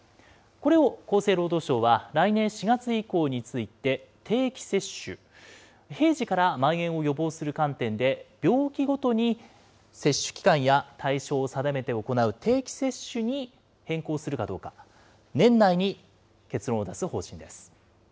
これを厚生労働省は来年４月以降について定期接種、平時からまん延を予防する観点で、病気ごとに接種期間や対象を定めて行う定期接種に変更するかどうか、年内に結論を出す方針です。